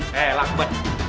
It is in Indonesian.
hei laku buat